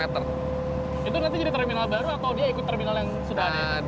itu nanti jadi terminal baru atau dia ikut terminal yang sudah ada